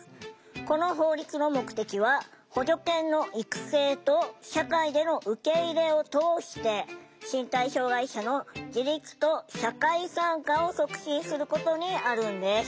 この法律の目的は補助犬の育成と社会での受け入れを通して身体障害者の自立と社会参加を促進することにあるんです。